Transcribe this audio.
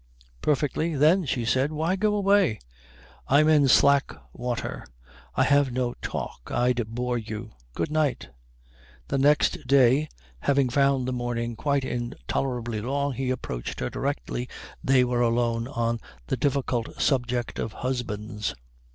"Perfectly." "Then," she said, "why go away?" "I'm in slack water. I have no talk. I'd bore you. Good night." The next day, having found the morning quite intolerably long, he approached her directly they were alone on the difficult subject of husbands.